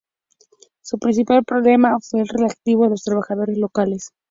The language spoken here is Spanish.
Su principal problema fue el relativo a los trabajadores locales.